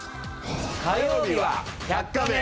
火曜日は「１００カメ」。